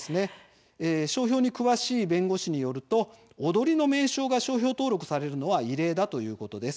商標に詳しい弁護士によると、踊りの名称が商標登録されるのは異例だということです。